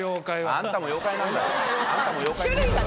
あんたも妖怪なんだ。